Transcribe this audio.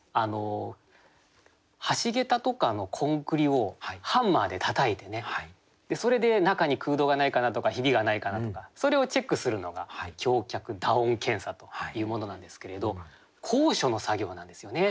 橋桁とかのコンクリをハンマーでたたいてねそれで中に空洞がないかなとかひびがないかなとかそれをチェックするのが橋脚打音検査というものなんですけれど高所の作業なんですよね。